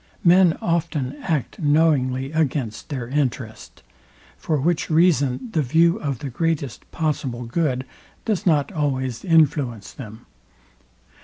Men often act knowingly against their interest: For which reason the view of the greatest possible good does not always influence them.